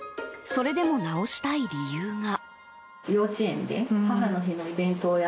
それでも直したい理由が。